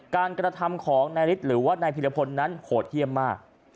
การกระทำของนายฤทธิ์หรือว่านายพิรพลนั้นโหดเยี่ยมมาก